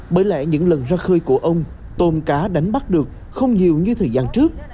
bởi lẽ những lần ra khơi của ông tôm cá đánh bắt được không nhiều như thời gian trước